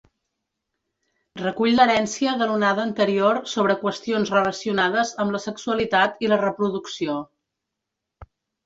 Recull l'herència de l'onada anterior sobre qüestions relacionades amb la sexualitat i la reproducció.